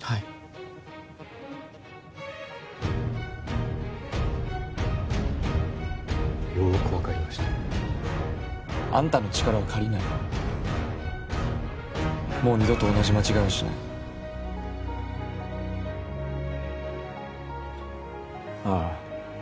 はいよく分かりましたあんたの力は借りないもう二度と同じ間違いはしないああ